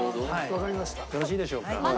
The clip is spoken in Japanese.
よろしいでしょうか。